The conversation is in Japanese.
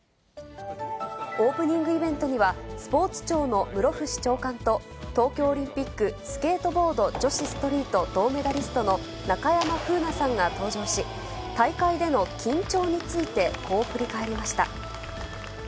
オープニングイベントには、スポーツ庁の室伏長官と、東京オリンピック、スケートボード女子ストリート銅メダリストの中山楓奈さんが登場し、大会での緊張についてこう振り返りました。